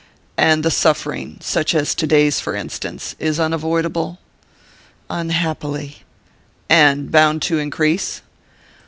"And the suffering such as today's, for instance is unavoidable?" "Unhappily." "And bound to increase?"